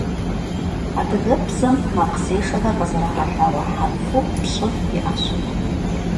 Adıgebzem makhzêşşexer khızerağelhağue herfu pş'ıre yi'eş.